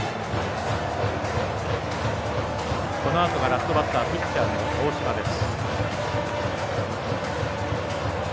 このあとがラストバッターピッチャーの大嶋です。